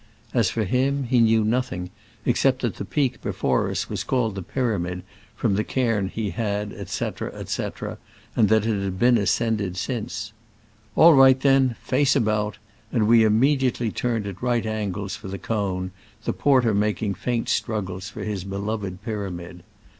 As for him, he knew noth ing except that the peak before us was called the Pyramid, from the cairn he had, etc., etc., and that it had been as cended since. "All right, then: face about ;" and we immediately turned at right angles for the cone, the porter making faint struggles for his beloved pyramid.